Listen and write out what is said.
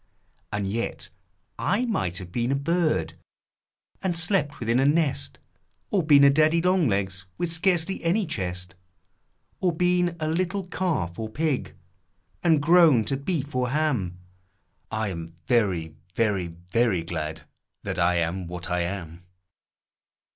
And yet I might have been a bird, And slept within a nest, Or been a daddy long legs With scarcely any chest ; Or been a little calf or pig, And grown to beef or ham ; I'm very very very glad That I am what I am